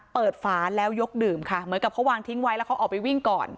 ฝาแล้วยกดื่มค่ะเหมือนกับเขาวางทิ้งไว้แล้วเขาออกไปวิ่งก่อน